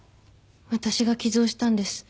私が寄贈したんです。